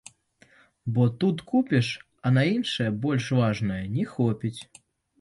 Бо тут купіш, а на іншае, больш важнае, не хопіць.